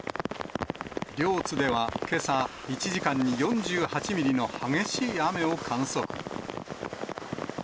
両津ではけさ、１時間に４８ミリの激しい雨を観測。